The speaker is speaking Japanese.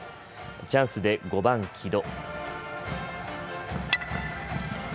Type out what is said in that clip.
チャンスで５番・城戸。